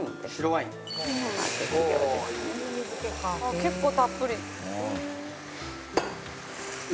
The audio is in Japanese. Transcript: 「結構たっぷり」